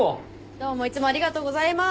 どうもいつもありがとうございます。